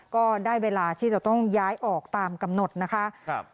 ก็ได้เวลาที่จะต้องย้ายออกตามกำหนดนะคะครับ